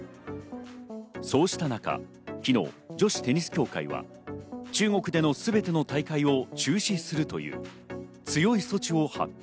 そうした中、昨日女子テニス協会は、中国でのすべての大会を中止するという強い措置を発表。